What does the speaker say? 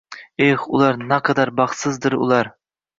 Eh, ular, naqadar baxtsizdir ular.